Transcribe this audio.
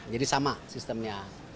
jadi sama sistemnya